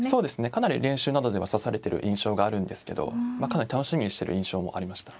かなり練習などでは指されてる印象があるんですけどかなり楽しみにしてる印象もありました。